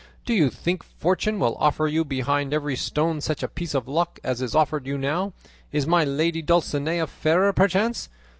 Do you think Fortune will offer you behind every stone such a piece of luck as is offered you now? Is my lady Dulcinea fairer, perchance?